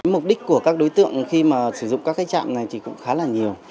mục đích của các đối tượng khi mà sử dụng các trạm này thì cũng khá là nhiều